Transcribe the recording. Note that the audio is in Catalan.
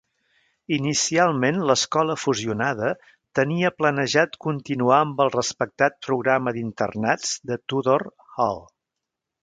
Inicialment l'escola fusionada tenia planejat continuar amb el respectat programa d'internats de Tudor Hall.